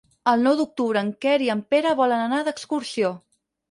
El nou d'octubre en Quer i en Pere volen anar d'excursió.